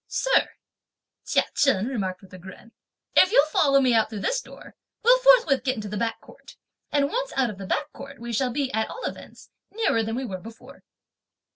"Sir," Chia Chen remarked with a grin; "if you'll follow me out through this door, we'll forthwith get into the back court; and once out of the back court, we shall be, at all events, nearer than we were before."